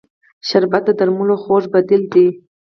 شربت د درملو خوږ بدیل دی